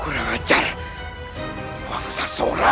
kurang ajar wangsa sora